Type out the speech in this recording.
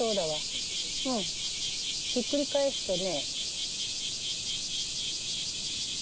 ひっくり返すとね。